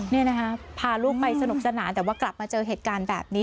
นี่นะคะพาลูกไปสนุกสนานแต่ว่ากลับมาเจอเหตุการณ์แบบนี้